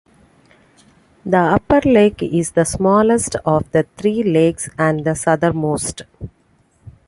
The Upper Lake is the smallest of the three lakes, and the southernmost.